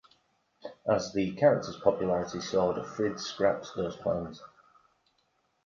As the character's popularity soared, Frid scrapped those plans.